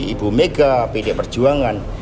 ibu mega pd perjuangan